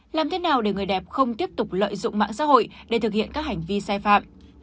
làm thế nào để người đẹp không tiếp tục lợi dụng mạng xã hội để thực hiện các hành vi sai phạm